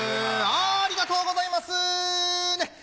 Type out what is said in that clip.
ありがとうございます。